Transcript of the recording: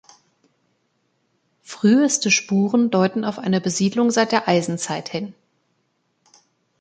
Früheste Spuren deuten auf eine Besiedlung seit der Eisenzeit hin.